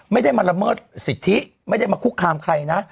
ไม่ได้มาละเมิดสิทธิไม่ได้มาคุกคามใครนะ